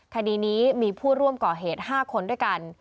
คดีนี้มีผู้ร่วมก่อเหตุ๕คนด้วยกัน